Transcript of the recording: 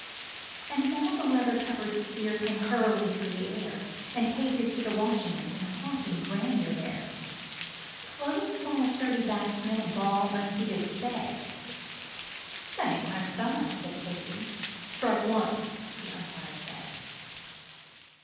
And now the leather covered sphere came hurtling through the air, And Casey stood a watching it in haughty grandeur there; Close by the sturdy batsman the ball unheeded sped "That hain't my style," said Casey "Strike one," the Umpire said.